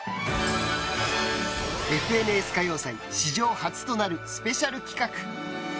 「ＦＮＳ歌謡祭」史上初となるスペシャル企画。